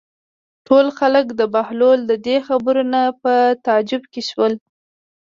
ټول خلک د بهلول د دې خبرو نه په تعجب کې شول.